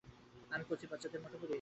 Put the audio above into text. আমি কচি বাচ্চাদের মতো করি?